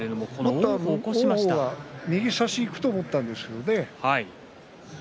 王鵬は右差しにいくと思ったんですけれどもね。